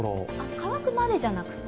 乾くまでじゃなくて？